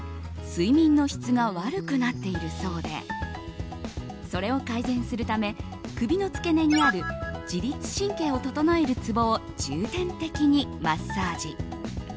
睡眠の質が悪くなっているそうでそれを改善するため首の付け根にある自律神経を整えるツボを重点的にマッサージ。